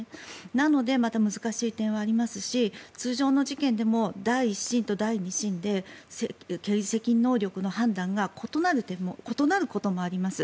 なのでまた難しい点はありますし通常の事件でも第１審と第２審で刑事責任能力の判断が異なることもあります。